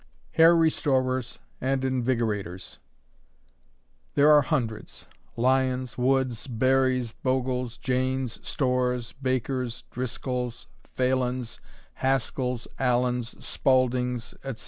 Hair Restorers and Invigorators. There are hundreds; Lyon's, Wood's, Barry's, Bogle's, Jayne's, Storr's, Baker's, Driscol's, Phalon's, Haskel's, Allen's, Spaulding's, etc.